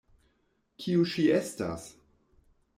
Kiu ŝi estas?